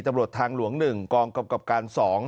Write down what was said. ตำรวจทางหลวง๑กองกำกับการ๒